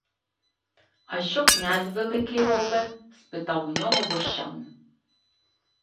— А що князь Великий робе? — спитав у нього Бощан.